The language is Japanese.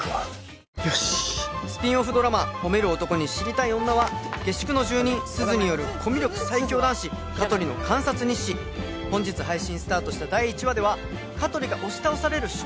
スピンオフドラマ『ホメる男に知りたい女』は下宿の住人すずによるコミュ力最強男子香取の観察日誌本日配信スタートした第１話では香取が押し倒される衝撃展開に！